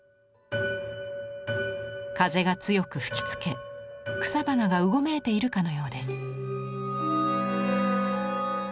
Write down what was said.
風が強く吹きつけ草花がうごめいているかのようです。